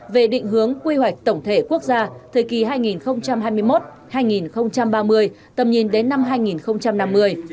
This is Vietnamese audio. về định hướng quy hoạch tổng thể quốc gia thời kỳ hai nghìn hai mươi một hai nghìn ba mươi tầm nhìn đến năm hai nghìn năm mươi